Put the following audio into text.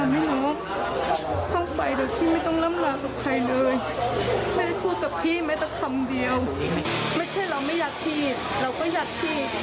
ไม่ใช่เราไม่อยากขีดเราก็อยากขีด